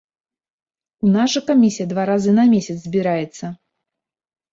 У нас жа камісія два разы на месяц збіраецца.